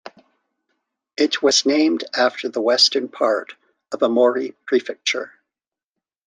It was named after the western part of Aomori Prefecture.